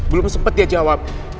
belum sempet dia jawab